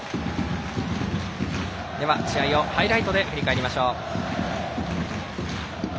試合をハイライトで振り返りましょう。